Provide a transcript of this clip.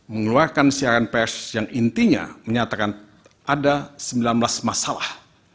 mengeluarkan siaran pers yang intinya menyatakan ada sembilan belas masalah